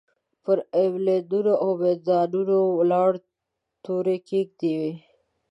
پر ایلبندونو او میدانونو ولاړې تورې کېږدۍ وې.